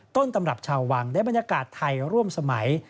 ต้นตำรับชาววังได้บรรยากาศไทยร่วมสมัย